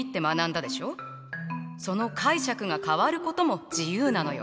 その解釈が変わることも自由なのよ。